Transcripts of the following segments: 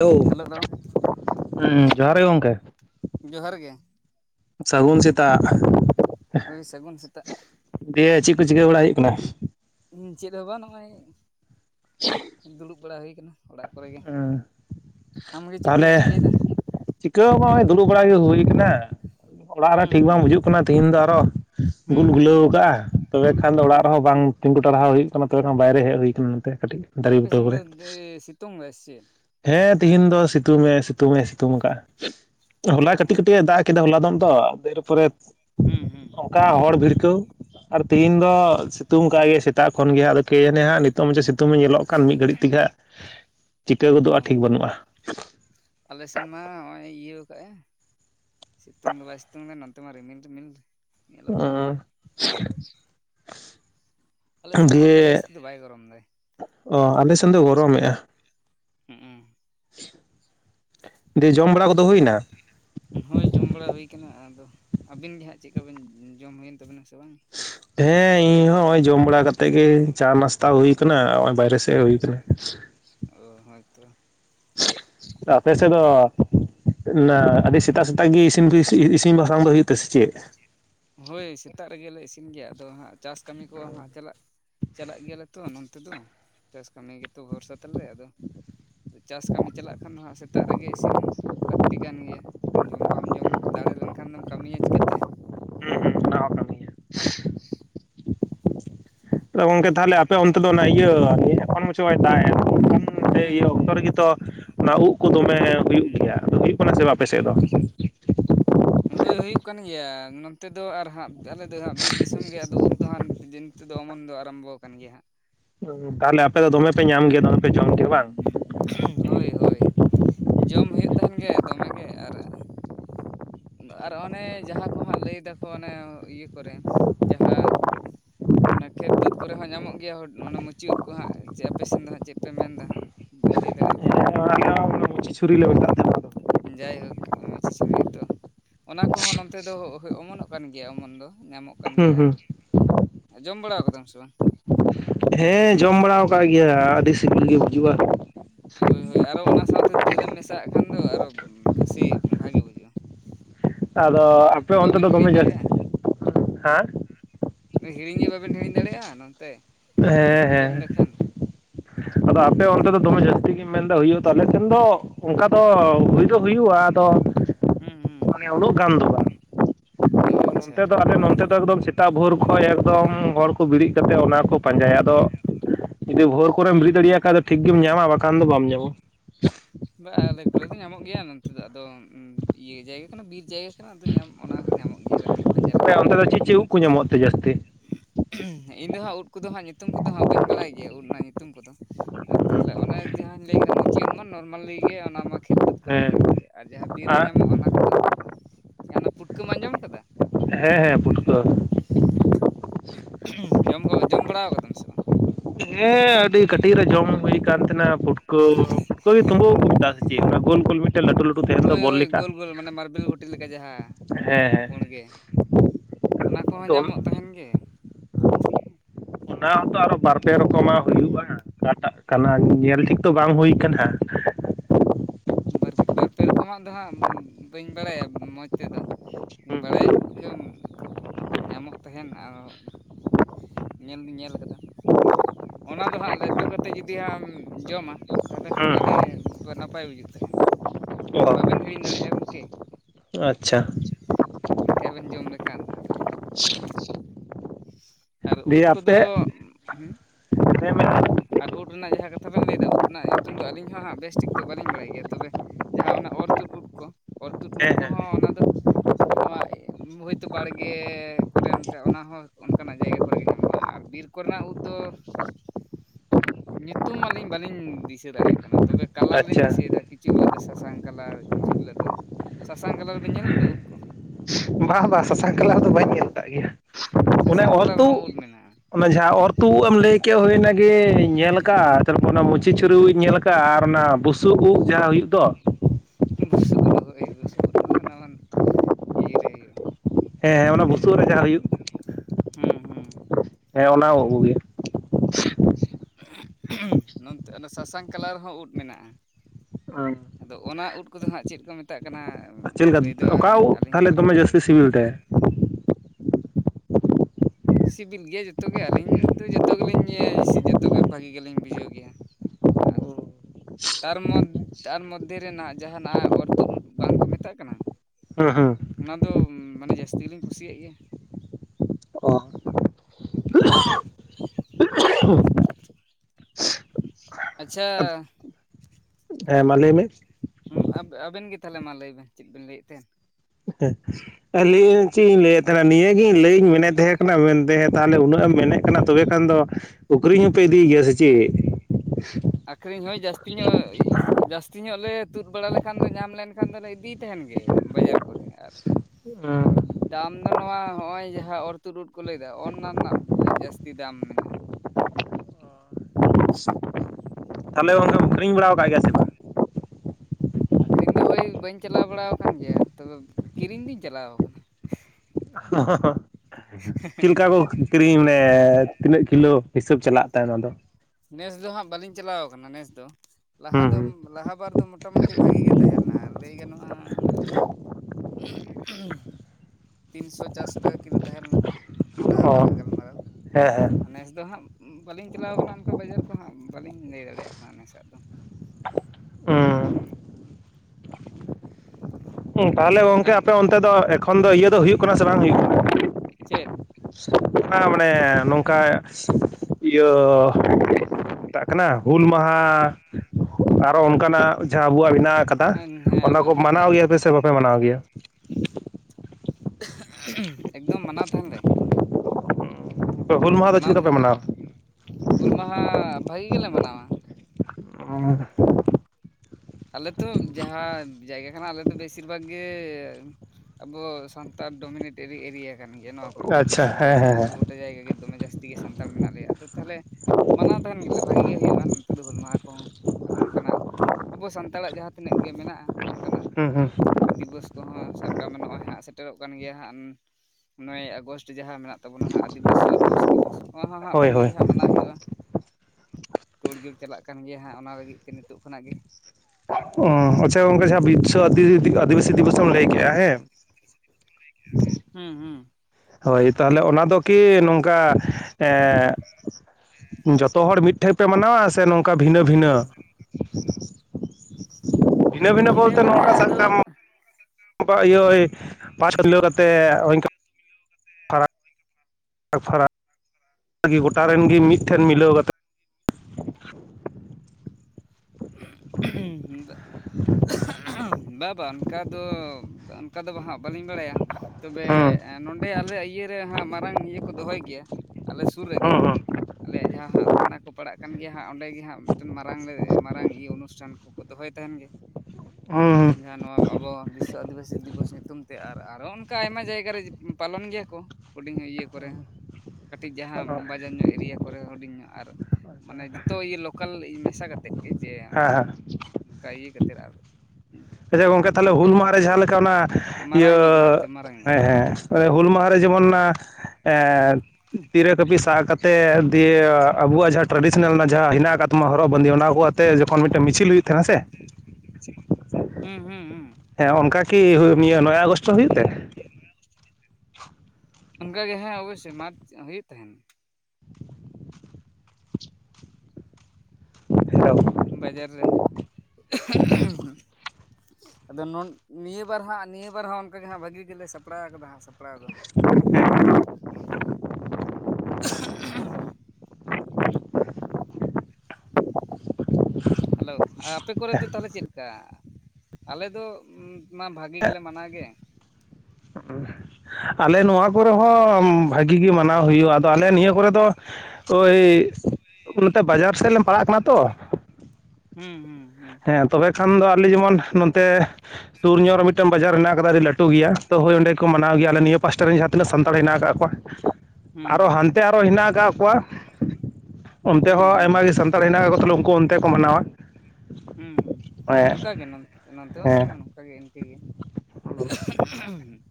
[unintelligible] Hello hello ᱦᱩᱸ, ᱡᱚᱦᱟᱨ ᱜᱮ ᱜᱚᱝᱠᱮ ᱾ ᱡᱚᱦᱟᱨ ᱜᱮ᱾ ᱥᱟᱜᱩᱱ ᱥᱮᱛᱟᱜ᱾ ᱦᱳᱭ ᱥᱟᱹᱜᱩᱱ ᱥᱮᱛᱟᱜ᱾ ᱫᱤᱭᱟ ᱪᱮᱫ ᱠᱚ ᱪᱤᱠᱟᱹ ᱵᱟᱲᱟᱭ ᱦᱩᱭᱩᱜ ᱠᱟᱱᱟ? ᱪᱮᱫ ᱦᱚᱸ ᱵᱟᱝ ᱱᱚᱜᱼᱚᱭ, ᱫᱩᱲᱩᱵ ᱵᱟᱲᱟ ᱦᱩᱭ ᱠᱟᱱᱟ ᱚᱲᱟᱜ ᱠᱚᱨᱮ ᱜᱮ᱾ ᱦᱩᱸ ᱟᱢᱜᱮ ᱪᱮᱫ ᱠᱚᱢ ᱛᱟᱦᱚᱞᱮ ᱪᱤᱠᱟᱹᱭᱮᱫᱟ? ᱪᱤᱠᱟᱹ ᱦᱚ ᱵᱟᱝ ᱦᱚᱸᱜ-ᱚᱭ ᱫᱩᱲᱩᱵ ᱵᱟᱲᱟ ᱜᱮ ᱦᱩᱭ ᱠᱟᱱᱟ᱾ ᱚᱲᱟᱜ ᱨᱮ ᱦᱩᱸ ᱴᱷᱤᱠ ᱦᱩᱸ ᱵᱟᱝ ᱵᱩᱡᱩᱜ ᱠᱟᱱᱟ ᱛᱤᱦᱤᱧ ᱫᱚ ᱟᱨᱚ, ᱜᱩᱞ ᱦᱩᱸ ᱦᱩᱸ ᱜᱩᱞᱟᱹᱣ ᱟᱠᱟᱜᱼᱟ᱾ ᱛᱚᱵᱮ ᱠᱷᱟᱱ ᱫᱚ ᱚᱲᱟᱜ ᱨᱮᱦᱚᱸ ᱵᱟᱝ ᱛᱤᱸᱜᱩ ᱴᱟᱲᱦᱟᱣ ᱦᱩᱭᱩᱜ ᱠᱟᱱᱟ, ᱛᱚᱵᱮ ᱠᱷᱟᱱ ᱵᱟᱭᱨᱮ ᱦᱮᱡ ᱦᱩᱭᱩᱜ ᱠᱟᱱᱟ ᱱᱚᱱᱛᱮ ᱠᱟᱹᱴᱤᱡ᱾ ᱟᱫᱚ ᱫᱟᱨᱮ ᱟᱯᱮ ᱵᱩᱴᱟᱹ ᱥᱮᱱ ᱫᱚ ᱠᱚᱨᱮ ᱥᱤᱛᱩᱝ ᱮᱫᱟᱭ ᱥᱮ ᱪᱮᱫ? ᱦᱮᱸ ᱛᱤᱦᱤᱧ ᱫᱚ ᱥᱤᱛᱩᱝ ᱮ ᱥᱤᱛᱩᱝ ᱮ ᱥᱤᱛᱩᱝ ᱟᱠᱟᱜᱼᱟ᱾ ᱚ ᱦᱚᱞᱟ ᱠᱟᱹᱴᱤᱡ ᱠᱟᱹᱴᱤᱡ ᱮ ᱫᱟᱜ ᱠᱮᱫᱟ ᱦᱚᱞᱟ ᱫᱚ ᱚᱱᱛᱚ [inaudible] ᱦᱩᱸ ᱦᱩᱸ᱾ ᱚᱝᱠᱟ ᱦᱚᱲ ᱵᱷᱤᱲᱠᱟᱹᱣ᱾ ᱟᱨ ᱛᱤᱦᱤᱧ ᱫᱚ ᱥᱤᱛᱩᱝ ᱠᱟᱜ ᱜᱮ ᱥᱮᱛᱟᱜ ᱠᱷᱚᱱ ᱜᱮ ᱦᱟᱸᱜ ᱟᱫᱚ ᱠᱮ ᱡᱟᱱᱮ ᱦᱟᱸᱜ ᱱᱤᱛᱚᱝ [inaudible] ᱥᱤ ᱛᱩᱝ ᱧᱮᱞᱚᱜ ᱠᱟᱱ ᱢᱤᱫ ᱜᱷᱟᱹᱲᱤᱡ ᱛᱮᱜᱮ ᱦᱟᱜ ᱚ᱾ ᱟᱞᱮ ᱥᱮᱱ ᱢᱟ ᱦᱚᱸᱜᱼᱚᱭ ᱤᱭᱟᱹ ᱠᱟᱜᱼᱟᱭ᱾ ᱥᱤᱛᱩᱝ ᱫᱚ ᱵᱟᱭ ᱥᱤᱛᱩᱝ ᱠᱟᱜ-ᱟ ᱱᱚᱱᱛᱮ ᱢᱟ ᱨᱤᱢᱤᱞ ᱨᱤᱢᱤᱞ᱾ ᱧᱮᱞᱚᱜ ᱠᱟᱱ ᱟᱞᱮ ᱚᱸᱻ᱾ ᱥᱮᱱ ᱫᱚ ᱚᱱᱠᱟ ᱫᱤᱭᱮ, ᱡᱟᱹᱥᱛᱤ ᱫᱚ ᱵᱟᱭ ᱜᱚᱨᱚᱢ ᱫᱟᱭ ᱚ ᱟᱞᱮ ᱥᱮᱱ ᱫᱚ ᱜᱚᱨᱚᱢᱮᱜ-ᱟ᱾ ᱦᱩᱸᱜ-ᱩᱸ᱾ ᱫᱤᱭᱮ ᱡᱚᱢ ᱵᱟᱲᱟ ᱠᱚᱫᱚ ᱦᱩᱭᱮᱱᱟ? ᱦᱳᱭ ᱡᱚᱢ ᱵᱟᱲᱟ ᱦᱩᱭ ᱠᱟᱱᱟ᱾ᱟᱫᱚ ᱟᱵᱤᱱ ᱜᱮ ᱦᱟᱸᱜ ᱪᱮᱜᱠᱟ ᱵᱤᱱ ᱡᱚᱢ ᱦᱩᱭᱮᱱ ᱛᱟᱵᱮᱱᱟ ᱥᱮ ᱵᱟᱝ? ᱦᱮᱸ ᱤᱧ ᱦᱚᱸ ᱦᱚᱸᱜᱼᱚᱭ ᱡᱚᱢ ᱵᱟᱲᱟ ᱠᱟ ᱛᱮ ᱜᱮ ᱪᱟ ᱱᱟᱥᱛᱟ ᱦᱩᱭ ᱠᱟᱱᱟ ᱦᱚᱸᱜ-ᱚᱭ ᱵᱟᱭᱨᱮ ᱥᱮᱜ ᱦᱮᱜ ᱦᱩᱭ ᱠᱟᱱᱟ᱾ ᱚ ᱦᱚᱭᱛᱚ᱾ ᱛᱚ ᱟᱯᱮ ᱥᱮᱫ ᱫᱚ, ᱚᱱᱟ ᱟᱰᱤ ᱥᱮᱛᱟᱜ ᱥᱮᱛᱟᱜ ᱜᱮ ᱤᱥᱤᱱ ᱛᱚ ᱤᱥᱤ ᱤᱥᱤᱱ ᱵᱟᱥᱟᱝ ᱫᱚ ᱦᱩᱭᱩᱜ ᱛᱮ ᱥᱮ ᱪᱮᱫ? ᱦᱳᱭ ᱥᱮᱛᱟᱜ ᱨᱮᱜᱮ ᱞᱮ ᱤᱥᱤᱱ ᱜᱮᱭᱟ, ᱟᱫᱚ ᱦᱟᱸᱜ ᱪᱟᱥ ᱠᱟᱹᱢᱤ ᱠᱚ ᱦᱟᱸᱜ ᱪᱟᱞᱟᱜ ᱪᱟᱞᱟᱜ ᱜᱮᱭᱟ ᱞᱮ ᱛᱚ, ᱱᱚᱱ- ᱛᱮᱫᱚ ᱪᱟᱥ ᱠᱟᱹᱢᱤ ᱜᱮ ᱛᱚ ᱵᱷᱚᱨᱥᱟ ᱛᱟᱞᱮ, ᱟᱫᱚ ᱟᱫᱚ ᱪᱟᱥ ᱠᱟᱹᱢᱤ ᱪᱟᱞᱟᱜ ᱠᱷᱟᱱ ᱦᱟᱸᱜ ᱥᱮᱛᱟᱜ ᱨᱮᱜᱮ ᱤᱥᱤᱱ ᱞᱟᱹᱠᱛᱤ ᱠᱟᱱ ᱜᱮᱭᱟ, ᱟᱸᱡᱚᱢ ᱵᱟᱢ ᱡᱚᱢ ᱫᱟᱲᱮ ᱞᱮᱱᱠᱷᱟᱱ ᱫᱚᱢ ᱠᱟᱹᱢᱤᱭᱟ ᱪᱤᱠᱟᱹᱛᱮ? ᱚᱱᱟ ᱦᱚᱸ ᱠᱟᱹᱱ ᱜᱮᱭᱟ᱾ ᱟᱫᱚ ᱜᱚᱝᱠᱮ ᱛᱟᱦᱮᱞᱮ ᱟᱯᱮ ᱚᱱᱛᱮ ᱫᱚ ᱚᱱᱟ ᱤᱭᱟᱹ ᱮᱠᱷᱚᱱ ᱢᱩᱪᱟᱹᱣᱟᱹᱭ ᱛᱟᱦᱮᱸ ᱮ ᱮᱠᱷᱚᱱ ᱚᱱᱮ ᱦᱩᱸ ᱤᱭᱟᱹ ᱚᱠᱛᱚ ᱨᱮᱜᱮ ᱛᱚ ᱚᱱᱟ ᱩᱜ ᱠᱚ ᱫᱚᱢᱮ ᱦᱩᱭᱩᱜ ᱜᱮᱭᱟ, ᱟᱫᱚ ᱦᱩᱭᱩᱜ ᱠᱟᱱᱟ ᱥᱮ ᱵᱟ ᱟᱯᱮ ᱥᱮᱜ ᱫᱚ? ᱦᱚᱭ ᱦᱩᱭᱩᱜ ᱠᱟᱱ ᱜᱮᱭᱟ ᱱᱚᱱᱛᱮ ᱫᱚ ᱟᱨ ᱦᱟᱸᱜ ᱟᱞᱮ ᱫᱚ ᱦᱟᱸᱜ ᱵᱤᱨ ᱜᱮ ᱟᱫᱚ ᱩᱫ ᱫᱚ ᱦᱟᱸᱜ ᱫᱤᱱ ᱛᱮᱫᱚ ᱚᱢᱚᱱ ᱫᱚ ᱟᱨᱳᱢᱵᱷᱚ ᱟᱠᱟᱱ ᱜᱮᱭᱟ ᱦᱟᱸᱜ᱾ ᱟᱸ ᱛᱟᱦᱚᱞᱮ ᱟᱯᱮ ᱫᱚ ᱫᱚᱢᱮ ᱯᱮ ᱧᱟᱢ ᱜᱮᱭᱟ, ᱫᱚᱢᱮ ᱯᱮ ᱡᱚᱢ ᱜᱮᱭᱟ ᱵᱟᱝ? [unintelligible] ᱦᱳᱭ ᱦᱳᱭ ᱡᱚᱢ ᱦᱩᱭᱩᱜ ᱛᱟᱦᱮᱱ ᱜᱮ ᱫᱚᱢᱮ ᱜᱮ, ᱟᱨ ᱟᱨ ᱚᱱᱮ ᱡᱟᱦᱟᱸ ᱠᱚ ᱦᱟᱸᱜ ᱞᱟᱹᱭ ᱮᱫᱟ ᱠᱚ ᱚᱱᱮ ᱤᱭᱟᱹ ᱠᱚᱨᱮ ᱡᱟᱦᱟᱸ ᱚᱱᱟ ᱠᱷᱮᱛ ᱵᱟᱹᱫᱽ ᱠᱚᱨᱮ ᱦᱚᱸ ᱧᱟᱢᱚᱜ ᱜᱮᱭᱟ ᱦᱩᱫ ᱚᱱᱟ ᱢᱩᱪᱤ ᱩᱫ ᱠᱚ ᱦᱟᱸᱜ, ᱪᱮ ᱟᱯᱮ ᱥᱮᱱ ᱫᱚ ᱦᱟᱸᱜ ᱪᱮᱫ ᱯᱮ ᱢᱮᱱ ᱮᱫᱟ ᱦᱟᱸᱜ? ᱵᱟᱹᱧ ᱞᱟᱹᱭ ᱫᱟᱲᱮᱭᱟᱜ ᱠᱟᱱᱟ? ᱚ ᱟᱸᱡᱚᱢ ᱢᱩᱪᱤ ᱪᱷᱩᱨᱤ ᱞᱮ ᱢᱮᱛᱟᱜ ᱛᱟᱦᱮᱸᱫ᱾ ᱡᱟᱭᱦᱳᱠ ᱢᱩᱪᱤ ᱪᱷᱩᱨᱤ ᱛᱚ᱾ ᱚᱱᱟ ᱠᱚᱦᱚᱸ ᱱᱚᱱᱛᱮ ᱫᱚ ᱦᱚ ᱦᱚᱭ ᱚᱢᱚᱱᱚᱜ ᱠᱟᱱ ᱜᱮᱭᱟ ᱚᱢᱚᱱ ᱫᱚ ᱧᱟᱢᱚᱜ ᱠᱟᱱ ᱦᱩᱸ ᱜᱮᱭᱟ ᱟᱨ ᱦᱩᱸ ᱡᱚᱢ ᱵᱟᱲᱟ ᱟᱠᱟ ᱫᱟᱢ ᱥᱮ ᱵᱟᱝ? ᱦᱮᱸ ᱡᱚᱢ ᱵᱟᱲᱟ ᱣᱟᱠᱟᱜ ᱜᱤᱭᱟ, ᱟᱹᱰᱤ ᱥᱤᱵᱤᱞ ᱜᱮ ᱵᱩᱡᱽᱼᱩᱜᱼᱟ᱾ ᱦᱳᱭ ᱦᱳᱭ ᱟᱨᱚ ᱚᱱᱟ ᱥᱟᱶᱛᱮ ᱫᱟᱹᱞ ᱮᱢ ᱢᱮᱥᱟᱼᱟᱜ ᱠᱷᱟᱱ ᱫᱚ ᱟᱨᱚ ᱥᱟᱹᱭ ᱵᱷᱟᱹᱜᱤ ᱵᱩᱡᱽᱼᱩᱜᱼᱟ᱾ ᱟᱫᱚ ᱟᱯᱮ ᱚᱱᱛᱮ ᱫᱚ ᱫᱚᱢᱮ ᱦᱤᱲᱤᱧ ᱡᱟᱹᱥ ᱫᱟᱲᱮᱭᱟᱜᱼᱟ [unintelligible] ᱦᱟᱸ [unintelligible] ᱦᱤᱲᱤᱧ ᱜᱮ ᱵᱟᱹᱵᱤᱱ ᱦᱤᱲᱤᱧ ᱫᱟᱲᱮᱜᱼᱟ ᱱᱚᱱᱛᱮ, ᱦᱮᱸ ᱚᱱᱟᱢ ᱡᱚᱢ ᱦᱮᱸ᱾ ᱞᱮᱠᱷᱟᱱ ᱟᱫᱚ ᱟᱯᱮ ᱚᱱᱛᱮ ᱫᱚ ᱫᱚᱢᱮ ᱡᱟᱹᱥᱛᱤ ᱜᱮᱢ ᱢᱮᱱ ᱮᱫᱟ ᱦᱩᱭᱩᱜᱼᱟ, ᱛᱚ ᱟᱞᱮ ᱥᱮᱱ ᱫᱚ ᱚᱸᱠᱟ ᱫᱚ ᱦᱩᱭ ᱫᱚ ᱦᱩᱭᱩᱜᱼᱟ, ᱟᱫᱚ ᱦᱩᱸ ᱦᱩᱸ, ᱢᱟᱱᱮ ᱚᱞᱚᱜ ᱜᱟᱱ ᱫᱚ ᱵᱟᱝᱼᱟ ᱾ ᱟᱨ ᱱᱚᱱᱛᱮ ᱫᱚ ᱟᱞᱮ ᱱᱚᱱᱛᱮ ᱫᱚ ᱮᱠᱫᱚᱢ ᱥᱮᱛᱟᱜ ᱵᱷᱳᱨ ᱠᱷᱚᱡ ᱮᱠᱫᱚᱢ ᱦᱚᱲ ᱠᱚ ᱵᱤᱨᱤᱫ ᱠᱟᱛᱮᱜ ᱚᱱᱟ ᱠᱚ ᱯᱟᱸᱡᱟᱭᱟ ᱟᱫᱚ ᱡᱩᱫᱤ ᱵᱷᱳᱨ ᱠᱚᱨᱮᱢ ᱦᱩᱸ ᱵᱤᱨᱤᱫ ᱦᱩᱸ ᱫᱟᱹᱲᱤᱭᱟᱜ ᱠᱷᱟᱜ ᱫᱚ ᱴᱷᱤᱠ ᱜᱮᱢ ᱧᱟᱢᱼᱟ ᱵᱟᱸᱠᱷᱟᱱ ᱫᱚ ᱵᱟᱢ ᱧᱟᱢᱼᱟ᱾ ᱵᱟ ᱟᱞᱮ ᱠᱚᱨᱮ ᱫᱚ ᱧᱟᱢᱚᱜ ᱜᱮᱭᱟ ᱱᱚᱱᱛᱮ ᱫᱚ ᱟᱫᱚ ᱩᱸ ᱤᱭᱟᱹ ᱡᱟᱭᱜᱟ ᱠᱟᱱᱟ ᱵᱤᱨ ᱡᱟᱭᱜᱟ ᱠᱟᱱᱟ, ᱟᱫᱚ ᱧᱟᱢ ᱚᱱᱟ ᱫᱚ ᱧᱟᱢᱚᱜ ᱜᱮᱭᱟ ᱠᱟᱹᱴᱤᱡ᱾ ᱯᱟᱸᱡᱟ ᱜᱚᱝᱠᱮ ᱟᱞᱮ ᱞᱮᱠᱷᱟᱱ ᱜᱮᱢ ᱚᱱᱛᱮ ᱫᱚ ᱧᱟᱢᱟ ᱪᱮᱫ ᱪᱮᱫ ᱩᱜ ᱠᱚ ᱧᱟᱢᱚᱜ ᱛᱮ ᱡᱟᱹᱥᱛᱤ? [unintelligible] ᱤᱧ ᱫᱚ ᱦᱟᱸᱜ ᱩᱫ ᱠᱚᱫᱚ ᱦᱟᱸᱜ ᱧᱩᱛᱩᱢ ᱠᱚᱫᱚ ᱦᱟᱸᱜ ᱵᱟᱹᱧ ᱵᱟᱲᱟᱭ ᱜᱮᱭᱟ ᱩᱫ ᱨᱮᱱᱟᱜ ᱧᱩᱛᱩᱢ ᱠᱚᱫᱚ, ᱟᱨ ᱛᱟᱦᱚᱞᱮ ᱚᱱᱮ ᱡᱟᱦᱟᱸᱧ ᱞᱟᱹᱭ ᱠᱮᱫᱟ ᱢᱩᱪᱤ ᱩᱫ ᱢᱟᱱ ᱱᱚᱨᱢᱟᱹᱞᱤ ᱜᱮ ᱚᱱᱟ ᱢᱟ ᱠᱷᱮᱛ ᱵᱟᱹᱫᱽ ᱠᱚᱨᱮ ᱜᱮ ᱦᱮᱸ ᱧᱟᱢᱚᱜ ᱜᱮᱭᱟ ᱟᱨ ᱡᱟᱦᱟᱸ ᱵᱤᱨ ᱨᱮ ᱟᱨ ᱧᱟᱢᱚᱜᱼᱟ ᱚᱱᱟ ᱠᱚᱫᱚ ᱪᱮᱜ ᱟᱱᱟ ᱯᱷᱩᱴᱠᱟᱹᱢ ᱟᱸᱡᱚᱢ ᱟᱠᱟᱫᱟ? ᱦᱮᱸ ᱦᱮᱸ ᱯᱩᱴᱠᱟᱹ᱾ [unintelligible] ᱡᱚᱢ ᱠᱚ ᱡᱚᱢ ᱵᱟᱲᱟ ᱟᱠᱟᱫᱟᱢ ᱥᱮ ᱵᱟᱝ? ᱦᱮᱸ ᱟᱹᱰᱤ ᱠᱟᱹᱴᱤᱡ ᱨᱮ ᱡᱚᱢ ᱦᱩᱭ ᱠᱟᱱ ᱛᱟᱦᱮᱸᱱᱟ ᱯᱩᱴᱠᱟᱹ, ᱯᱩᱴᱠᱟᱹ ᱜᱮ ᱛᱩᱸᱵᱟᱹ ᱩᱫ ᱠᱚ ᱢᱮᱛᱟᱜ ᱟᱥᱮ ᱪᱮᱫ, ᱚᱱᱟ ᱜᱳᱞ ᱜᱳᱞ ᱢᱤᱫᱴᱟᱜ ᱞᱟᱹᱴᱩ ᱞᱟᱹᱴᱩ ᱛᱟᱦᱮᱱ ᱫᱚ ᱵᱚᱞ ᱞᱮᱠᱟ, ᱛᱚ ᱢᱟᱱᱮ ᱢᱟᱨᱵᱮᱞ ᱜᱷᱩᱴ- ᱞᱮᱠᱟ ᱡᱟᱦᱟᱸ ᱦᱮᱸ, ᱦᱮᱸ᱾ ᱜᱮ ᱚᱱᱟ ᱠᱚᱦᱚᱸ ᱟᱫᱚ ᱧᱟᱢᱚᱜ ᱛᱟᱦᱮᱱ ᱜᱮ᱾ ᱚᱱᱟ ᱦᱚᱸᱛᱚ ᱟᱨᱚ ᱵᱟᱨᱯᱮ ᱨᱚᱠᱚᱢᱟᱜ ᱦᱩᱭᱩᱜ-ᱟ᱾ ᱚᱠᱟ ᱴᱟᱜ ᱠᱟᱱᱟ ᱧᱮᱞ ᱴᱷᱤᱠ ᱛᱚ ᱵᱟᱝ ᱦᱩᱭ ᱠᱟᱱᱟ᱾ ᱵᱟᱨ ᱵᱟᱨᱯᱮ ᱨᱚᱠᱚᱢᱟᱜ ᱫᱚ ᱦᱟᱸᱜ ᱵᱟᱹᱧ ᱵᱟᱲᱟᱭᱟ ᱢᱚᱸᱡᱽ ᱛᱮᱫᱚ᱾ ᱦᱩᱸ ᱵᱟᱲᱟᱭᱟ ᱯᱩᱴᱠᱟᱹᱢ ᱧᱟᱢᱚᱜ ᱛᱟᱦᱮᱱ ᱟᱨᱚ ᱧᱮᱞ ᱧᱮᱞ ᱠᱟᱫᱟ ᱟᱫᱚ ᱚᱱᱟ ᱫᱚ ᱦᱟᱸᱜ ᱞᱮᱴᱚ ᱠᱟᱛᱮᱫ ᱡᱩᱫᱤᱢ ᱦᱟᱸᱜ ᱮᱢ ᱡᱚᱢᱟ ᱛᱟᱞᱦᱮ ᱠᱷᱟᱱ ᱦᱩᱸ ᱟᱹᱰᱤ ᱱᱟᱯᱟᱭ ᱵᱩᱡᱷᱟᱹᱜ᱾ ᱛᱟᱦᱮᱱ ᱚ ᱵᱟᱵᱮᱱ ᱦᱤᱲᱤᱧ ᱫᱟᱲᱮᱭᱟᱜ-ᱟ ᱜᱚᱝᱠᱮ᱾ ᱟᱪᱪᱷᱟ᱾ ᱟᱪᱪᱷᱟ ᱢᱤᱫ ᱫᱷᱟᱣ ᱵᱮᱱ ᱡᱚᱢ ᱞᱮᱠᱷᱟᱱ ᱟᱨ ᱟᱨ ᱩᱫ ᱫᱤᱭᱮ ᱟᱯᱮ ᱠᱚᱫᱚ ᱦᱮᱸ᱾ [unintelligible] ᱟᱨ ᱩᱫ ᱨᱮᱱᱟᱜ ᱡᱟᱦᱟ ᱠᱟᱛᱷᱟ ᱵᱮᱱ ᱞᱟᱹᱭ ᱫᱟ ᱩᱫ ᱨᱮᱱᱟᱜ ᱧᱩᱛᱩᱢ ᱫᱚ ᱟᱹᱞᱤᱧ ᱦᱚᱸ ᱦᱟᱸᱜ ᱵᱮᱥᱴᱷᱤᱠ ᱫᱚ ᱵᱟᱹᱞᱤᱧ ᱵᱟᱲᱟᱭ ᱜᱮᱭᱟ᱾ᱛᱚᱵᱮ ᱡᱟᱦᱟ ᱚᱱᱟ ᱚᱨ ᱛᱩᱫ ᱩᱫ ᱠᱚ, ᱚᱨ ᱛᱩᱫ ᱩᱫ ᱦᱮᱸ ᱠᱚᱦᱚᱸ ᱚᱱᱟ ᱫᱚ ᱱᱚᱣᱟ ᱦᱳᱭ ᱛᱚ ᱵᱟᱲᱜᱮ ᱠᱚᱨᱮᱫ ᱚᱱ ᱛᱮ ᱚᱱᱟ ᱦᱚᱸ ᱚᱱᱠᱟᱱᱟᱜ ᱡᱟᱭᱜᱟ ᱠᱚᱨᱮ ᱜᱮ ᱧᱟᱢᱚᱜ-ᱟ᱾ ᱟᱨ ᱵᱤᱨ ᱠᱚ ᱨᱮᱱᱟᱜ ᱩᱫ ᱫᱚ ᱧᱩᱛᱩᱢ ᱢᱟ ᱞᱤᱧ ᱵᱟᱹᱞᱤᱧ ᱫᱤᱥᱟᱹ ᱫᱟᱲᱮᱭᱟᱜ ᱠᱟᱱᱟ᱾ ᱛᱚᱵᱮ ᱠᱟᱞᱟᱨ ᱞᱤᱧ ᱟᱪᱪᱷᱟ ᱫᱤᱥᱟᱹᱭ ᱫᱟ᱾ ᱠᱤᱪᱷᱩ ᱜᱩᱞᱟᱹ ᱫᱚ ᱥᱟᱥᱟᱝ ᱠᱟᱞᱟᱨ, ᱠᱤᱪᱷᱩ ᱜᱩᱞᱟᱹ ᱫᱚ ᱥᱟᱥᱟᱝ ᱠᱟᱞᱟᱨ ᱵᱮᱱ ᱧᱮᱞ ᱠᱟᱫᱟ ᱩᱫ ᱠᱚ? ᱵᱟᱝ ᱵᱟᱝ ᱥᱟᱥᱟᱝ ᱠᱟᱞᱟᱨ ᱫᱚ ᱵᱟᱹᱧ ᱧᱮᱞ ᱠᱟᱜ ᱜᱮᱭᱟ᱾ ᱚᱱᱮ ᱥᱟᱥᱟᱝ ᱚᱨ ᱠᱟᱞᱟᱨ ᱦᱚᱸ ᱛᱩᱫ ᱩᱫ ᱢᱮᱱᱟᱜᱼᱟ ᱚᱱᱟ ᱡᱟᱦᱟ ᱚᱨ ᱛᱩ ᱮᱢ ᱞᱟᱹᱭ ᱠᱮᱫ ᱦᱳᱭ ᱚᱱᱟ ᱜᱤᱧ ᱧᱮᱞ ᱠᱟᱜ-ᱟ᱾ ᱛᱟᱨᱯᱚᱨ ᱚᱱᱟ ᱢᱩᱪᱤ ᱪᱩᱨᱤᱧ ᱩᱫ ᱤᱧ ᱧᱮᱞ ᱠᱟᱜ-ᱟ ᱟᱨ ᱚᱱᱟ ᱵᱩᱥᱩᱵ ᱩᱫ ᱡᱟᱦᱟ ᱦᱩᱭᱩᱜ ᱫᱚ᱾ ᱵᱩᱥᱩᱵ ᱳᱫ ᱦᱳᱭ ᱵᱩᱥᱩᱵ ᱳᱫ ᱢᱟ ᱱᱟᱣᱟᱱ ᱤᱭᱟᱹ ᱨᱮ ᱦᱳᱭᱳᱜ-ᱟ᱾ ᱦᱮᱸ ᱦᱮᱸ ᱚᱱᱟ ᱵᱩᱥᱩᱵ ᱨᱮ ᱡᱟᱦᱟᱸ ᱦᱩᱭᱩᱜ [unintelligible] ᱦᱩᱸ, ᱦᱩᱸ᱾ ᱦᱮᱸ ᱚᱱᱟ ᱩᱫ ᱜᱮ ᱵᱟᱪᱪᱷᱟ ᱱᱚᱱᱛᱮ ᱚᱱᱟ ᱥᱟᱥᱟᱝ ᱠᱟᱞᱟᱨ ᱦᱚᱸ ᱩᱫ ᱢᱮᱱᱟᱜ-ᱟ᱾ ᱟᱫᱚ ᱚᱱᱟ ᱩᱫ ᱠᱚᱫᱚ ᱦᱟᱸᱜ ᱪᱮᱫ ᱠᱚ ᱢᱮᱛᱟᱜ ᱠᱟᱱᱟ ᱞᱟᱹᱭ ᱫᱚ ᱤᱧ ᱟᱹᱞᱤᱧ ᱦᱚᱸ ᱵᱟᱹᱞᱤᱧ ᱵᱟᱲᱟᱭ ᱜᱮᱭᱟ᱾ ᱱᱚᱸᱰᱮ ᱥᱤᱵᱤᱞ ᱜᱮᱭᱟ ᱡᱚᱛᱚ ᱜᱮ ᱟᱹᱞᱤᱧ ᱫᱚ ᱡᱚᱛᱚ ᱜᱮᱞᱤᱧ ᱡᱚᱛᱚ ᱜᱮ ᱵᱷᱟᱹᱜᱤ ᱜᱮᱞᱤᱧ ᱵᱩᱡᱷᱟᱹᱣ ᱜᱮᱭᱟ᱾ ᱟᱨ ᱛᱟᱨᱢᱚᱫ, ᱛᱟᱨᱢᱚᱫ ᱫᱷᱮ ᱨᱮᱱᱟᱜ ᱡᱟᱦᱟ ᱱᱟᱜ ᱚᱨ ᱛᱩᱫ ᱩᱫ ᱵᱟᱝᱵᱠᱚ ᱢᱮᱛᱟᱜ ᱠᱟᱱᱟ? ᱦᱚᱸ, ᱦᱚᱸ᱾ ᱚᱱᱟ ᱫᱚ ᱢᱟᱱᱮ ᱡᱟᱹᱥᱛᱤ ᱜᱮ ᱞᱤᱧ ᱠᱩᱥᱤᱭᱟᱜ ᱜᱮᱭᱟ ᱾ ᱚ [unintelligible] ᱟᱪᱪᱷᱟ᱾ ᱦᱮᱸ ᱢᱟ ᱞᱟᱹᱭ ᱢᱮ ᱾ ᱦᱩᱸ ᱟᱵ ᱟᱵᱤᱱ ᱜᱮ ᱛᱟᱞᱦᱮ ᱢᱟ ᱞᱟᱹᱭ ᱵᱮᱱ ᱪᱮᱫ ᱵᱮᱱ ᱞᱟᱹᱭ ᱮᱫ ᱛᱟᱦᱮᱸᱫ? ᱟᱹᱞᱤ ᱪᱮᱫ ᱞᱤᱧ ᱞᱟᱹᱭ-ᱟ ᱛᱟᱞᱦᱮ ᱱᱤᱭᱟᱹ ᱤᱧ ᱞᱟᱹᱭ ᱟᱹᱧ ᱢᱮᱱᱮᱫ ᱛᱟᱦᱮᱸ ᱠᱟᱱᱟ ᱢᱮᱱᱛᱮ ᱛᱟᱦᱞᱮ ᱩᱱᱟᱹᱜ ᱮᱢ ᱢᱮᱱᱮᱫ ᱠᱟᱱᱟ᱾ ᱛᱚᱵᱮ ᱠᱷᱟᱱ ᱫᱚ ᱩᱠᱨᱤᱧ ᱦᱚᱸ ᱯᱮ ᱤᱫᱤ ᱜᱮᱭᱟ ᱥᱮ ᱪᱮᱫ? ᱟᱹᱠᱷᱨᱤᱧ ᱦᱳᱭ ᱡᱟᱹᱥᱛᱤ ᱧᱚᱜ ᱡᱟᱹᱥᱛᱤ ᱧᱚᱜ ᱞᱮ ᱛᱩᱫ ᱵᱟᱲᱟ ᱞᱮᱠᱷᱟᱱ ᱫᱚ, ᱧᱟᱢ ᱞᱮᱱᱠᱷᱟᱱ ᱫᱚᱞᱮ ᱤᱫᱤ ᱛᱟᱦᱮᱱ ᱜᱮ ᱵᱟᱡᱟᱨ ᱠᱚᱨᱮ᱾ᱟᱨ ᱫᱟᱢ ᱫᱚ ᱱᱚᱣᱟ ᱦᱚᱸᱜ-ᱚᱭ ᱡᱟᱦᱟ ᱚᱨ ᱛᱩᱫ ᱩᱫ ᱠᱚ ᱞᱟᱹᱭ ᱫᱟ᱾ ᱚᱱᱟ ᱨᱮᱱᱟᱜ ᱡᱟᱹᱥᱛᱤ ᱫᱟᱢ ᱢᱮᱱᱟᱜ-ᱟ ᱾ ᱛᱟᱞᱦᱮ ᱜᱚᱝᱠᱮᱢ ᱟᱹᱠᱷᱨᱤᱧ ᱵᱟᱲᱟᱣ ᱠᱟᱫ ᱜᱮᱭᱟ ᱥᱮ? ᱟᱹᱠᱷᱨᱤᱧ ᱫᱚ ᱦᱳᱭ ᱵᱟᱹᱧ ᱪᱟᱞᱟᱣ ᱵᱟᱲᱟᱣ ᱟᱠᱟᱱ ᱜᱮᱭᱟ᱾ ᱛᱚᱵᱮ ᱠᱤᱨᱤᱧ ᱫᱩᱧ ᱪᱟᱞᱟᱣ ᱟᱠᱟᱱᱟ ᱾ ᱦᱚᱸ ᱦᱚᱸ ᱦᱚᱸᱻ ᱪᱮᱫᱞᱮᱠᱟ ᱠᱚ ᱠᱤᱨᱤᱧ ᱢᱟᱱᱮ ᱛᱤᱱᱟᱹᱜ ᱠᱤᱞᱳ ᱦᱤᱥᱟᱹᱵᱽ ᱪᱟᱞᱟᱜ ᱛᱟᱦᱮᱱ ᱟᱫᱚ ᱱᱮᱥ ᱫᱚ ᱦᱟᱸᱜ ᱵᱟᱹᱞᱤᱧ ᱪᱟᱞᱟᱣ ᱟᱠᱟᱱᱟ ᱱᱮᱥ ᱫᱚ, ᱞᱟᱦᱟ ᱫᱚ ᱦᱩᱸ ᱞᱟᱦᱟ ᱵᱟᱨ ᱫᱚ ᱢᱚᱴᱟᱢᱩᱴᱤ ᱵᱷᱟᱜᱤ ᱜᱮ ᱛᱟᱦᱮᱸ ᱞᱮᱱᱟ ᱞᱟᱹᱭ ᱜᱟᱱᱚᱜᱼᱟ [unintelligible] ᱛᱤᱱᱥᱚ ᱪᱟᱨᱥᱚ ᱴᱟᱠᱟ ᱠᱤᱞᱳ ᱛᱟᱦᱮᱸ ᱞᱮᱱᱟ ᱞᱟᱦᱟ ᱦᱩᱸ ᱚ ᱵᱟᱨᱟᱜ ᱜᱟᱞᱢᱟᱨᱟᱣ ᱾ ᱦᱮᱸ ᱦᱮᱸ ᱱᱮᱥ ᱫᱚ ᱦᱟᱸᱜ ᱵᱟᱹᱞᱤᱧ ᱪᱟᱞᱟᱣ ᱠᱟᱱᱟ ᱚᱱᱠᱟ ᱵᱟᱡᱟᱨ ᱠᱚ ᱦᱟᱸᱜ ᱵᱟᱹᱞᱤᱧ ᱞᱟᱹᱭ ᱫᱟᱲᱮᱭᱟᱜ ᱠᱟᱱᱟ ᱱᱮᱥᱟᱜ ᱫᱚ ᱾ ᱛᱟᱦᱞᱮ ᱟᱵ ᱜᱚᱢᱠᱮ ᱟᱯᱮ ᱚᱱᱛᱮ ᱫᱚ ᱮᱠᱷᱚᱱ ᱫᱚ ᱤᱭᱟᱹ ᱫᱚ ᱦᱩᱭᱩᱜ ᱠᱟᱱᱟ ᱥᱮ ᱵᱟᱝ ᱦᱩᱭᱩᱜ ᱪᱮᱫ ᱠᱟᱱᱟ ᱾ [unintelligible] ᱢᱟᱱᱮ ᱱᱚᱝᱠᱟ ᱤᱭᱟᱹ ᱢᱮᱛᱟᱜ ᱠᱟᱱᱟ ᱦᱩᱞ ᱢᱟᱦᱟ ᱾ ᱟᱨᱚ ᱚᱱᱠᱟᱱᱟᱜ ᱡᱟᱦᱟᱸ ᱟᱵᱚᱣᱟᱜ ᱢᱮᱱᱟᱜ ᱟᱠᱟᱫᱟ ᱦᱮᱸ ᱚᱱᱟ ᱠᱚ ᱟᱵᱚ ᱢᱟᱱᱟᱣ ᱡᱟᱦᱟᱸ ᱜᱮᱭᱟᱯᱮ ᱥᱮ ᱵᱟᱯᱮ ᱢᱟᱱᱟᱣ ᱜᱮᱭᱟ? [unintelligible] ᱮᱠᱫᱚᱢ ᱢᱟᱱᱟᱣ ᱛᱟᱦᱮᱱ ᱞᱮ ᱦᱩᱞ ᱢᱟᱦᱟ ᱫᱚ ᱪᱮᱫ ᱢᱟᱱᱟᱣ ᱞᱮᱠᱟ ᱯᱮ ᱛᱟᱦᱮᱱᱞᱮ, ᱢᱟᱱᱟᱣᱟ ᱦᱩᱞ ᱢᱟᱦᱟ ᱵᱷᱟᱹᱜᱤ ᱜᱮᱞᱮ ᱢᱟᱱᱟᱣᱟ ᱾ [inaudible] ᱟᱞ ᱛᱚ ᱡᱟᱦᱟᱸ ᱡᱟᱭᱜᱟ ᱠᱟᱱᱟ ᱟᱞᱮ ᱫᱚ ᱵᱮᱥᱤᱨ ᱵᱷᱟᱜᱽ ᱜᱮ ᱟᱵᱚ ᱥᱟᱱᱛᱟᱲ ᱰᱚᱢᱤᱱᱮᱴ ᱮᱨᱤᱭᱟ ᱠᱟᱱ ᱜᱮᱭᱟ ᱱᱚᱣᱟ ᱠᱚᱨᱮ ᱫᱚ ᱟᱪᱪᱷᱟ ᱵᱮᱥᱤᱨ ᱵᱷᱟᱜᱽ ᱦᱮᱸ ᱦᱮᱸ ᱦᱮᱸ ᱜᱮ ᱴᱟ ᱡᱟᱭᱜᱟ ᱜᱮ ᱫᱚᱢᱮ ᱡᱟᱹᱥᱛᱤ ᱜᱮ ᱥᱟᱱᱛᱟᱲ ᱢᱮᱱᱟᱜ ᱞᱮᱭᱟ ᱟᱫᱚ ᱛᱚᱦᱞᱮ ᱢᱟᱱᱟᱣ ᱛᱟᱦᱮᱱ ᱜᱮᱞᱮ ᱵᱷᱟᱜᱤ ᱜᱮ ᱦᱩᱭᱩᱜ-ᱟ ᱱᱚᱛᱮ ᱫᱚ ᱦᱩᱞ ᱢᱟᱦᱟ ᱠᱚᱦᱚᱸ ᱟᱨ ᱚᱱᱠᱟᱱᱟᱜ ᱟᱵᱚ ᱥᱟᱱᱛᱟᱲᱟᱜ ᱡᱟᱦᱟᱸ ᱛᱤᱱᱟᱹᱜ ᱜᱮ ᱢᱮᱱᱟᱜᱼᱟ ᱚᱱᱠᱟᱱᱟᱜ ᱾ ᱦᱩᱸ ᱦᱩᱸ ᱫᱤᱵᱚᱥ ᱠᱚᱦᱚᱸ ᱥᱟᱵ ᱠᱟᱜ ᱢᱮ ᱱᱚᱜᱼᱚᱭ ᱦᱟᱸᱜ ᱥᱮᱴᱮᱨᱚᱜ ᱠᱟᱱ ᱜᱮᱭᱟ ᱦᱟᱸᱜ ᱾ ᱱᱚᱭ ᱟᱜᱚᱥᱴ ᱡᱟᱦᱟᱸ ᱢᱮᱱᱟᱜ ᱛᱟᱵᱚᱱᱟ ᱦᱟᱸᱜ ᱟᱫᱤ ᱵᱤᱥᱥᱚ ᱟᱹᱫᱤᱵᱟᱹᱥᱤ ᱫᱤᱵᱚᱥ ᱱᱚᱣᱟ ᱦᱚᱸ ᱦᱟᱸᱜ ᱦᱳᱭ ᱵᱷᱟᱹᱜᱤ ᱦᱳᱭ ᱜᱮ ᱦᱟᱸᱜ ᱢᱟᱱᱟᱣ ᱦᱩᱭᱩᱜᱼᱟ ᱾ ᱛᱳᱲ ᱡᱳᱲ ᱪᱟᱞᱟᱜ ᱠᱟᱱ ᱜᱮᱭᱟ ᱦᱟᱸᱜ ᱚᱱᱟ ᱞᱟᱹᱜᱤᱫ ᱛᱮ ᱱᱤᱛᱚᱜ ᱠᱷᱚᱱᱟᱜ ᱜᱮ ᱾ ᱚᱸ ᱟᱪᱪᱷᱟ ᱜᱚᱢᱠᱮ ᱡᱟᱦᱟᱸ ᱵᱤᱥᱥᱚ ᱟᱹᱫᱤ ᱟᱹᱫᱤᱵᱟᱹᱥᱤ ᱫᱤᱵᱚᱥᱮᱢ ᱞᱟᱹᱭ ᱠᱮᱫᱼᱟ ᱦᱮᱸ ᱟᱫᱤᱵᱟᱥᱤ ᱫᱤᱵᱚᱥ ᱦᱩᱸ ᱦᱩᱸ ᱦᱳᱭ ᱛᱟᱦᱞᱮ ᱚᱱᱟ ᱫᱚ ᱠᱤ ᱱᱚᱝᱠᱟ ᱮᱸᱻ ᱡᱚᱛᱚ ᱦᱚᱲ ᱢᱤᱫ ᱴᱷᱮᱱ ᱯᱮ ᱢᱟᱱᱟᱣᱟ ᱥᱮ ᱱᱚᱝᱠᱟ ᱵᱷᱤᱱᱟᱹ ᱵᱷᱤᱱᱟᱹ ᱾ ᱵᱷᱤᱱᱟᱹ ᱵᱷᱤᱱᱟᱹ ᱵᱚᱞᱛᱮ ᱱᱚᱝᱠᱟ ᱥᱟᱵ ᱠᱟᱜ ᱢᱮ ᱤᱭᱟᱹ ᱮ ᱯᱟᱥ ᱠᱤᱞᱳ ᱠᱟᱛᱮ ᱯᱷᱟᱨᱟᱠ ᱜᱚᱴᱟ ᱨᱮᱱ ᱜᱮ ᱢᱤᱫᱴᱷᱮᱱ ᱢᱤᱞᱟᱹᱣ ᱠᱟᱛᱮ᱾ [inaudible] [unintelligible] ᱵᱟᱵᱟ ᱚᱱᱠᱟ ᱫᱚ ᱚᱱᱠᱟ ᱫᱚ ᱦᱟᱜ ᱵᱟᱹᱞᱤᱧ ᱵᱟᱲᱟᱭᱟ᱾ ᱛᱚᱵᱮ ᱦᱩᱸ ᱱᱚᱰᱮ ᱟᱞᱮ ᱤᱭᱟᱹᱨᱮ ᱦᱟᱜ ᱢᱟᱨᱟᱝ ᱤᱭᱟᱹ ᱠᱚ ᱫᱚᱦᱚᱭ ᱜᱮᱭᱟ ᱟᱞᱮ ᱥᱩᱨ ᱨᱮᱜᱮ᱾ ᱦᱩᱸ ᱟᱞᱮᱭᱟᱜ ᱡᱟᱦᱟᱸ ᱦᱟᱸᱜ ᱛᱷᱟᱱᱟ ᱠᱚ ᱯᱟᱲᱟᱜ ᱠᱟᱱ ᱜᱮᱭᱟ ᱦᱟᱸᱜ ᱚᱸᱰᱮ ᱜᱮ ᱦᱟᱸᱜ ᱢᱤᱫᱴᱮᱱ ᱢᱟᱨᱟᱝ ᱞᱮ ᱢᱟᱨᱟᱝ ᱤᱭᱟᱹ ᱚᱱᱩᱥᱴᱷᱟᱱ ᱠᱚᱠᱚ ᱫᱚᱦᱚᱭ ᱛᱟᱦᱮᱱ ᱜᱮ᱾ [unintelligible] ᱡᱟᱦᱟᱸ ᱱᱚᱣᱟ ᱟᱵᱚ ᱵᱤᱥᱥᱚ ᱟᱹᱫᱤᱵᱟᱹᱥᱤ ᱫᱤᱵᱚᱥ ᱧᱩᱛᱩᱢ ᱛᱮ, ᱟᱨᱚ ᱚᱱᱠᱟ ᱟᱭᱢᱟ ᱡᱟᱭᱜᱟ ᱨᱮ ᱯᱟᱞᱚᱱ ᱜᱮᱭᱟ ᱠᱚ᱾ ᱦᱩᱰᱤᱧ ᱧᱚᱜ ᱤᱭᱟᱹ ᱠᱚᱨᱮ, ᱠᱟᱹᱴᱤᱡ ᱡᱟᱦᱟᱸ ᱦᱩᱸ ᱵᱟᱡᱟᱨ ᱧᱚᱜ ᱮᱨᱤᱭᱟ ᱠᱚᱨᱮ ᱦᱩᱰᱤᱧ ᱧᱚᱜ ᱟᱨ ᱢᱟᱱᱮ ᱡᱚᱛᱚ ᱞᱳᱠᱟᱞ ᱢᱮᱥᱟ ᱠᱟᱛᱮ ᱡᱮ ᱦᱮᱸ ᱦᱮᱸ ᱚᱱᱠᱟ ᱤᱭᱟ. ᱠᱟᱛᱮᱫ ᱟᱨ ᱟᱪᱪᱷᱟ ᱜᱚᱝᱠᱮ ᱛᱟᱦᱞᱮ ᱚᱱᱠᱟ ᱦᱩᱞ ᱵᱷᱟᱵ ᱢᱟᱦᱟᱨᱮ ᱛᱮᱜᱮ ᱡᱟᱦᱟᱸᱞᱮᱠᱟ ᱚᱱᱟ ᱢᱟᱨᱟᱝ ᱧᱚᱜ ᱤᱭᱟᱹ ᱵᱷᱟᱵᱛᱮ ᱢᱟᱨᱟᱝ ᱧᱚᱜ ᱦᱮᱸ ᱦᱮᱸ ᱦᱩᱞ ᱢᱟᱦᱟ ᱨᱮ ᱡᱮᱢᱚᱱ ᱚᱱᱟ ᱮ ᱛᱤᱨᱮ ᱠᱟᱹᱯᱤ ᱥᱟᱵ ᱠᱟᱛᱮᱫ ᱛᱮ ᱫᱤᱭᱮ ᱟᱵᱚᱣᱟᱜ ᱡᱟᱦᱟᱸ ᱴᱨᱟᱰᱤᱥᱚᱱᱟᱞ ᱨᱮᱱᱟᱜ ᱡᱟᱦᱟᱸ ᱦᱮᱱᱟᱜ ᱟᱠᱟᱫ ᱛᱟᱢᱟ ᱦᱚᱨᱚᱜ ᱵᱟᱸᱫᱮ ᱚᱱᱟ ᱠᱚ ᱛᱮ ᱡᱚᱠᱷᱚᱱ ᱢᱤᱫᱴᱮᱱ ᱢᱤᱪᱤᱞ ᱦᱩᱭᱩᱜ ᱛᱟᱦᱮᱱᱟ ᱥᱮ ᱦᱩᱸ ᱦᱩᱸ ᱦᱩᱸ᱾ ᱦᱮᱸ ᱚᱱᱠᱟ ᱠᱤ ᱱᱤᱭᱟᱹ ᱱᱚᱭᱮ ᱟᱜᱚᱥᱴ ᱨᱮ ᱦᱩᱭᱩᱜ ᱛᱮ? ᱚᱱᱠᱟ ᱜᱮ ᱦᱮᱸ ᱚᱵᱚᱥᱥᱳᱭ ᱢᱟᱨᱪ ᱦᱩᱭᱩᱜ ᱛᱟᱦᱮᱱ ᱾ [unintelligible] ᱵᱟᱡᱟᱨ ᱨᱮ [unintelligible] ᱟᱫᱚ ᱱᱤᱭᱟᱹ ᱵᱟᱨ ᱦᱟᱸᱜ ᱱᱤᱭᱟᱹ ᱵᱟᱨ ᱦᱚᱸ ᱚᱱᱠᱟ ᱜᱮ ᱦᱟᱸᱜ ᱵᱷᱟᱹᱜᱤ ᱜᱮᱞᱮ ᱥᱟᱯᱲᱟᱣ ᱠᱟᱫᱟ ᱦᱟᱸᱜ, ᱥᱟᱯ ᱥᱟᱯᱲᱟᱣ ᱫᱚ [unintelligible] ᱦᱮᱞᱳ, ᱟᱯᱮ ᱠᱚᱨᱮ ᱫᱚ ᱛᱟᱦᱚᱞᱮ ᱪᱮᱫᱞᱮᱠᱟ? ᱪᱮᱠᱟ ᱟᱞᱮ ᱫᱚ ᱢᱟ ᱵᱷᱟᱹᱜᱤ ᱜᱮᱞᱮ ᱢᱟᱱᱟᱣ ᱜᱮᱭᱟ᱾ [unintelligible] ᱟᱞᱮ ᱱᱚᱣᱟ ᱠᱚᱨᱮ ᱦᱚᱸ ᱵᱷᱟᱹᱜᱤ ᱜᱮ ᱢᱟᱱᱟᱣ ᱦᱩᱭᱩᱜᱼᱟ, ᱟᱫᱚ ᱟᱞᱮ ᱱᱤᱭᱟᱹ ᱠᱚᱨᱮ ᱫᱚ ᱳᱭ ᱱᱚᱛᱮ ᱵᱟᱡᱟᱨ ᱥᱮᱫ ᱞᱮ ᱯᱟᱲᱟᱜ ᱠᱟᱱᱟ ᱛᱚ ᱾ ᱦᱩᱸ ᱦᱩᱸ ᱦᱩᱸ ᱾ ᱛᱚᱵᱮ ᱠᱷᱟᱱ ᱫᱚ ᱟᱞᱮ ᱡᱮᱢᱚᱱ ᱱᱚᱛᱮ ᱥᱩᱨ ᱧᱚᱜ ᱢᱤᱫᱴᱟᱝ ᱵᱟᱡᱟᱨ ᱦᱮᱱᱟᱜ ᱟᱠᱟᱫᱟ ᱟᱹᱰᱤ ᱞᱟᱹᱴᱩ ᱜᱮᱭᱟ ᱛᱚ ᱦᱳᱭ ᱚᱸᱰᱮ ᱢᱟᱱᱟᱣ ᱜᱮᱭᱟ ᱟᱞᱮ ᱱᱤᱭᱟᱹ ᱯᱟᱥᱴᱟ ᱨᱮᱱ ᱡᱟᱦᱟᱸ ᱛᱤᱱᱟᱹᱜ ᱥᱟᱱᱛᱟᱲ ᱦᱮᱱᱟᱜ ᱟᱠᱟᱫ ᱠᱚᱣᱟ ᱾ ᱦᱩᱸ ᱟᱨᱚ ᱦᱩᱸ ᱦᱟᱱᱛᱮ ᱟᱨᱚ ᱦᱮᱱᱟᱜ ᱟᱠᱟᱜ ᱠᱚᱣᱟ᱾ ᱚᱱᱛᱮ ᱦᱩᱸ ᱦᱩᱸ ᱦᱚᱸ ᱦᱩᱸ ᱟᱭᱢᱟ ᱜᱮ ᱥᱟᱱᱛᱟᱲ ᱦᱮᱱᱟᱜ ᱠᱟ ᱠᱚᱣᱟ ᱛᱟᱦᱚᱞᱮ ᱩᱱᱠᱩ ᱚᱱᱛᱮ ᱠᱚ ᱢᱟᱱᱟᱣᱟ᱾ ᱦᱩᱸ ᱦᱩᱸ ᱦᱮᱸ ᱚᱱᱠᱟ ᱜᱮ ᱱᱚᱛᱮ ᱦᱚᱸ ᱦᱮᱸ ᱥᱮᱢ ᱾ ᱚᱱᱠᱟᱜᱮ ᱤᱱᱠᱟᱹ ᱜᱮ [unintelligible]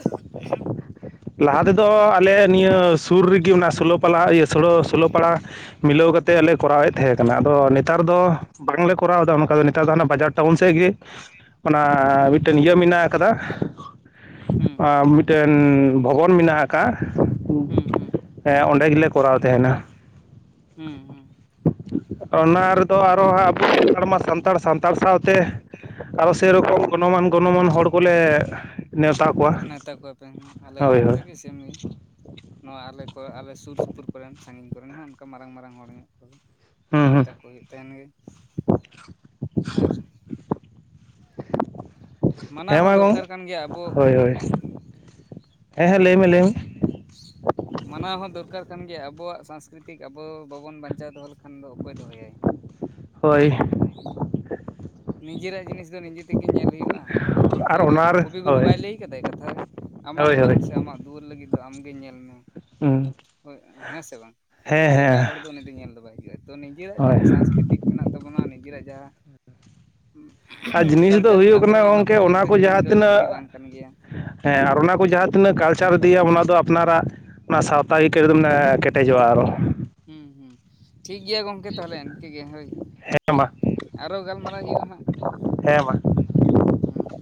[unintelligible] ᱞᱟᱦᱟ ᱛᱮᱫᱚ ᱟᱞᱮ ᱱᱤᱭᱟᱹ ᱥᱩᱨ ᱨᱮᱜᱮ ᱚᱱᱟ ᱥᱳᱞᱳ ᱯᱟᱲᱟ ᱥᱳᱲᱟᱹ ᱥᱳᱞᱳ ᱯᱟᱲᱟ ᱢᱤᱞᱟᱹᱣ ᱠᱟᱛᱮᱫ ᱞᱮ ᱠᱚᱨᱟᱣᱮᱫ ᱛᱟᱦᱮ ᱠᱟᱱᱟ᱾ ᱟᱫᱚ ᱱᱮᱛᱟᱨ ᱫᱚ ᱵᱟᱝᱞᱮ ᱠᱚᱨᱟᱣ ᱮᱫᱟ ᱚᱱᱠᱟ ᱫᱚ ᱾ ᱱᱮᱛᱟᱨ ᱫᱚ ᱦᱟᱱᱟ ᱵᱟᱡᱟᱨ ᱴᱟᱣᱩᱱ ᱥᱮᱫ ᱜᱮ ᱚᱱᱟ ᱦᱩᱸ ᱢᱤᱫᱴᱮᱱ ᱦᱩᱸ ᱤᱭᱟᱹ ᱦᱩᱸ ᱢᱮᱱᱟᱜ ᱟᱠᱟᱫᱟ ᱦᱩᱸ ᱾ ᱢᱤᱫᱴᱮᱱ ᱵᱷᱚᱵᱚᱱ ᱢᱮᱱᱟᱜ ᱟᱠᱟᱜ-ᱟ ᱦᱩᱸ ᱦᱩᱸ ᱦᱮᱸ ᱚᱸᱰᱮ ᱜᱮᱞᱮ ᱠᱚᱨᱟᱣ ᱛᱟᱦᱮᱱᱟ ᱦᱩᱸ ᱦᱩᱸ ᱾ ᱚᱱᱟ ᱨᱮᱫᱚ ᱟᱨᱚ ᱦᱟᱸᱜ ᱟᱵᱚ ᱥᱟᱱᱛᱟᱲ ᱢᱟ ᱥᱟᱱᱛᱟᱲ ᱥᱟᱱᱛᱟᱲ ᱥᱟᱶᱛᱮ ᱟᱨᱚ ᱥᱮᱨᱚᱠᱚᱢ ᱜᱚᱱᱚ ᱢᱟᱱ ᱜᱚᱱᱚ ᱢᱟᱱ ᱦᱚᱲ ᱠᱚᱞᱮ ᱱᱮᱣᱛᱟ ᱠᱚᱣᱟ ᱾ ᱢᱮᱣᱛᱟ ᱠᱚᱣᱟᱯᱮ, ᱟᱞᱮ ᱦᱚᱸ ᱚᱱᱠᱟᱜ ᱜᱮ ᱥᱮᱢ ᱜᱮ ᱾ ᱱᱚᱣᱟ ᱟᱞᱮ ᱠᱚ ᱟᱞᱮ ᱥᱩᱨ ᱥᱩᱯᱩᱨ ᱠᱚᱨᱮᱱ ᱥᱟᱸᱜᱤᱧ ᱠᱚᱨᱮᱱ ᱦᱚᱸ ᱚᱱᱠᱟ ᱢᱟᱨᱟᱝ ᱢᱟᱨᱟᱝ ᱦᱚᱲ ᱧᱚᱜ ᱠᱚᱜᱮ᱾ ᱦᱩᱸ ᱦᱩᱸ ᱱᱮᱣᱛᱟ ᱠᱚ ᱦᱩᱭᱩᱜ ᱛᱟᱦᱮᱱ ᱜᱮ᱾ ᱟᱨ ᱢᱟᱱᱟᱣ ᱦᱮᱸ ᱢᱟ ᱦᱚᱸ ᱜᱚᱝ ᱫᱚᱨᱠᱟᱨ ᱠᱟᱱ ᱜᱮᱭᱟ ᱟᱵᱚ ᱦᱳᱭ ᱦᱮᱸ ᱦᱳᱭ ᱾ ᱦᱮᱸ ᱦᱮᱸ ᱞᱟᱹᱭ ᱢᱮ ᱞᱟᱹᱭ ᱢᱮ ᱾ ᱢᱟᱱᱟᱣ ᱦᱚᱸ ᱫᱚᱨᱠᱟᱨ ᱠᱟᱱ ᱜᱮᱭᱟ ᱟᱵᱚᱣᱟᱜ ᱥᱟᱥᱠᱨᱤᱛᱤᱠ ᱟᱵᱚ ᱵᱟᱵᱚᱱ ᱵᱟᱧᱪᱟᱣ ᱫᱚᱦᱚ ᱞᱮᱠᱷᱟᱱ ᱫᱚ ᱚᱠᱚᱭ ᱫᱚᱦᱚᱭᱟᱭ ᱾ ᱦᱳᱭ ᱾ [unintelligible] ᱱᱤᱡᱮᱨᱟᱜ ᱡᱤᱱᱤᱥ ᱫᱚ ᱱᱤᱡᱮ ᱛᱮᱜᱮ ᱧᱮᱞ ᱦᱩᱭᱩᱜ-ᱟ ᱦᱚᱲ ᱫᱚ ᱟᱨ ᱚᱱᱮ ᱚᱱᱟᱨᱮ ᱠᱩᱵᱤᱜᱩᱨᱩ ᱦᱳᱭ ᱵᱟᱭ ᱞᱟᱹᱭ ᱠᱟᱫᱟᱭ ᱠᱟᱛᱷᱟ ᱨᱮ ᱟᱢᱟᱜ ᱦᱳᱭ ᱚᱲᱟᱜ ᱦᱳᱭ ᱥᱮ ᱟᱢᱟᱜ ᱫᱩᱣᱟᱹᱨ ᱞᱟᱹᱜᱤᱫ ᱫᱚ ᱟᱢ ᱜᱮ ᱧᱮᱞ ᱢᱮ ᱦᱩᱸ ᱦᱮᱸ ᱥᱮ ᱵᱟᱝ ᱦᱮᱸ ᱮᱴᱟᱜ ᱦᱮᱸ ᱦᱚᱲ ᱫᱚ ᱩᱱᱤ ᱫᱚ ᱧᱮᱞ ᱫᱚ ᱵᱟᱭ ᱦᱮᱡᱩᱜ ᱟᱭ ᱛᱚ ᱱᱤᱡᱮᱨᱟᱜ ᱦᱳᱭ ᱡᱟᱦᱟᱸ ᱥᱟᱥᱠᱨᱤᱛᱤᱠ ᱢᱮᱱᱟᱜ ᱛᱟᱵᱚᱱᱟ ᱱᱤᱡᱮᱨᱟᱜ ᱡᱟᱦᱟᱸ ᱟᱨ ᱡᱤᱱᱤᱥ ᱫᱚ ᱠᱟᱞᱪᱟᱨ ᱦᱩᱭᱩᱜ ᱢᱮᱱᱟᱜ ᱠᱟᱱᱟ ᱛᱟᱵᱚᱱᱟ ᱜᱚᱢᱠᱮ ᱡᱤᱱᱤᱥ ᱚᱱᱟ ᱫᱚ ᱠᱚ ᱦᱤᱲᱤᱧ ᱡᱟᱦᱟᱸ ᱫᱚ ᱞᱟᱹᱠᱛᱤ ᱛᱤᱱᱟᱹᱜ ᱵᱟᱝ ᱠᱟᱱ ᱜᱮᱭᱟ ᱦᱮᱸ ᱟᱨ ᱚᱱᱟ ᱠᱚ ᱡᱟᱦᱟᱸ ᱛᱤᱱᱟᱹᱜ ᱠᱟᱞᱪᱟᱨ ᱤᱫᱤᱭᱟᱢ ᱚᱱᱟ ᱫᱚ ᱟᱯᱱᱟᱨᱟᱜ ᱚᱱᱟ ᱥᱟᱶᱛᱟ ᱜᱮ [inaudible] ᱫᱚ ᱢᱟᱱᱮ ᱠᱮᱴᱮᱡᱚᱜ-ᱟ ᱟᱨᱦᱚ ᱾ ᱦᱩᱸ ᱦᱩᱸ ᱴᱷᱤᱠ ᱜᱮᱭᱟ ᱜᱚᱝᱠᱮ ᱛᱟᱦᱞᱮ ᱤᱱᱠᱟᱹ ᱜᱮ ᱦᱳᱭ ᱦᱮᱸ ᱢᱟ ᱾ ᱟᱨᱚ ᱜᱟᱞᱢᱟᱨᱟᱣ ᱦᱩᱭᱩᱜ-ᱟ ᱦᱟᱸᱜ, ᱦᱮᱸ ᱢᱟ ᱦᱩᱸ ᱾